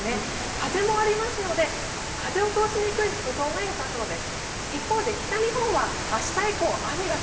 風もありますので、風を通しにくい服装がよさそうです。